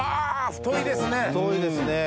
太いですねぇ。